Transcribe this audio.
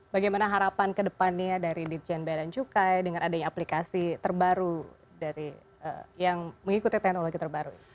bagaimana harapan kedepannya dari ditjen bea dan cukai dengan adanya aplikasi terbaru dari yang mengikuti teknologi terbaru